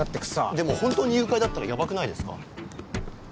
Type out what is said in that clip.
でも本当に誘拐だったらヤバくないですか？